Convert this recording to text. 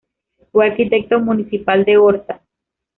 Fue arquitecto municipal de Horta.